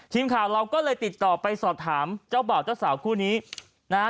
ทีมข่าวเราก็เลยติดต่อไปสอบถามเจ้าบ่าวเจ้าสาวคู่นี้นะฮะ